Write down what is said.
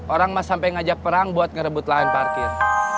orang mah sampe ngajak perang buat ngerebut lahan parkir